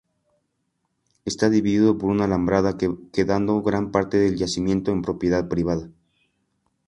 Está dividido por una alambrada quedando gran parte del yacimiento en propiedad privada